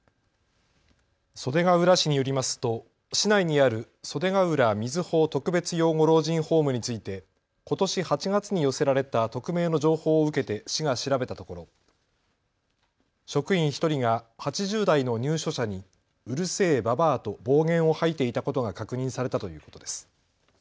袖ケ浦市によりますと市内にある袖ケ浦瑞穂特別養護老人ホームについて、ことし８月に寄せられた匿名の情報を受けて市が調べたところ職員１人が８０代の入所者にうるせえばばあと暴言を吐いていたことが確認されたということです。